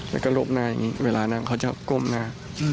แล้วก็โรบหน้ายังงี้เวลานั้นเค้าจะก้มหน้า